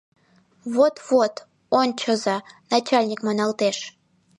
— Вот-вот, ончыза, начальник маналтеш!